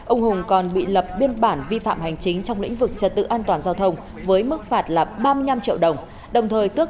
ông hùng còn bị lập biên bản vi phạm hành chính trong lĩnh vực trật tự an toàn giao thông với mức phạt là ba mươi năm triệu đồng đồng thời tước giấy phép lái xe trong thời gian hai mươi ba tháng